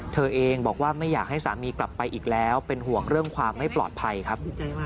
เธอเองบอกว่าไม่อยากให้สามีกลับไปอีกแล้วเป็นห่วงเรื่องความไม่ปลอดภัยครับ